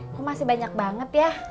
kok masih banyak banget ya